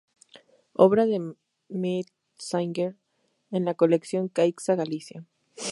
Obra de Metzinger en la Colección Caixa Galicia